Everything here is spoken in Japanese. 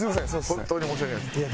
本当に申し訳ないです。